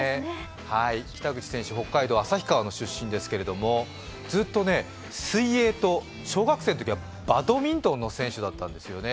北口選手、北海道旭川の出身ですけれども、ずっと水泳と、小学生のときはバドミントンの選手だったんですよね。